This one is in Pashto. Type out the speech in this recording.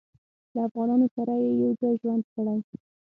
له افغانانو سره یې یو ځای ژوند کړی.